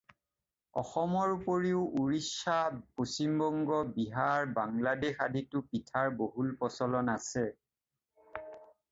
অসমৰ উপৰিও, উৰিষ্যা, পশ্চিম বংগ, বিহাৰ, বাংলাদেশ আদিতো পিঠাৰ বহুল প্ৰচলন আছে।